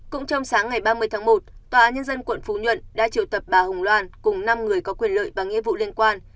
cũng trong sáng ngày ba mươi tháng một tòa nhân dân quận phú nhuận đã triệu tập bà hồng loan cùng năm người có quyền lợi và nghĩa vụ liên quan